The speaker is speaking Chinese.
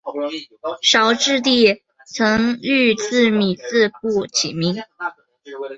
绍治帝曾御赐米字部起名。